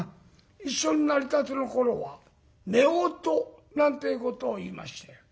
一緒になりたての頃は夫婦なんてえことを言いましたよ。